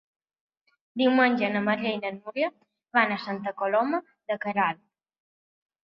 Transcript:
Diumenge na Maria i na Núria van a Santa Coloma de Queralt.